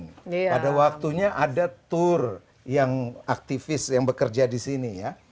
pada waktunya ada tour yang aktivis yang bekerja di sini ya